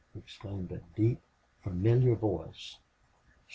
exclaimed a deep, familiar voice.